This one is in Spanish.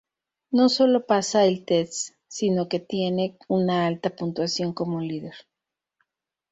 No solo pasa el test, sino que tiene una alta puntuación como líder.